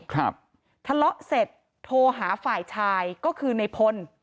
ทะเลาะเสร็จโทรหาฝ่ายชายก็คือในพล